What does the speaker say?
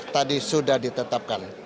tadi sudah ditetapkan